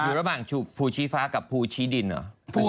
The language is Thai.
อยู่ระหว่างภูชีฟ้ากับภูชีดินเหรอ